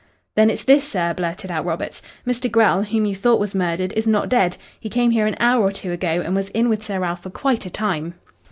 "Then it's this, sir," blurted out Roberts. "Mr. Grell, whom you thought was murdered, is not dead. He came here an hour or two ago, and was in with Sir Ralph for quite a time."